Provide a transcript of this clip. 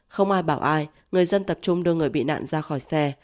không ai bảo ai người dân tập trung đưa người bị nạn ra khỏi xe